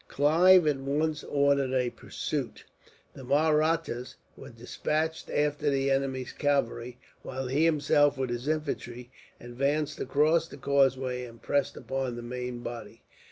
Clive at once ordered a pursuit. The Mahrattas were despatched after the enemy's cavalry, while he himself, with his infantry, advanced across the causeway and pressed upon the main body.